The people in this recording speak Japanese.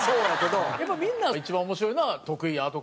やっぱみんなが一番面白いのは徳井やとか。